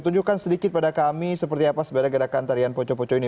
tunjukkan sedikit pada kami seperti apa sebenarnya gerakan tarian poco poco ini